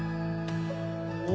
お！